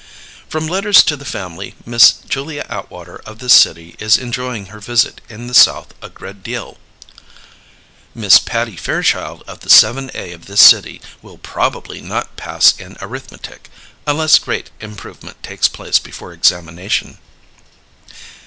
From Letters to the family Miss Julia Atwater of this City is enjoying her visit in the south a greadeal. Miss Patty Fairchild of the 7 A of this City, will probably not pass in ARithmetiC unless great improvement takes place before Examination.